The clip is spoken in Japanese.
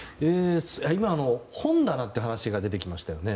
今、本棚という話が出てきましたよね。